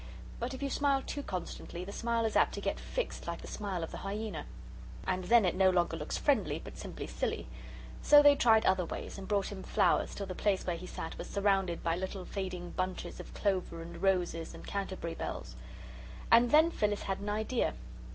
But if you smile too constantly, the smile is apt to get fixed like the smile of the hyaena. And then it no longer looks friendly, but simply silly. So they tried other ways, and brought him flowers till the place where he sat was surrounded by little fading bunches of clover and roses and Canterbury bells. And then Phyllis had an idea.